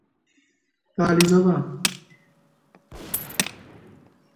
These two countries have signed seven bilateral documents concerning the water disputes.